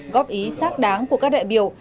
góp ý xác đáng của các đại biểu